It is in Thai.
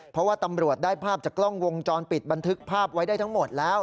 เพราะว่าตำรวจได้ภาพจากกล้องวงจรปิดบันทึกภาพไว้ได้ทั้งหมดแล้ว